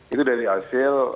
itu dari hasil